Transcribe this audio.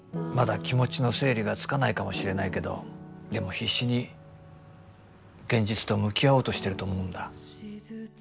まだ気持ちの整理がつかないかもしれないけどでも必死に現実と向き合おうとしてると思うんだ。